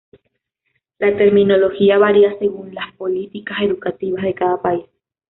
La terminología varía según las políticas educativas de cada país.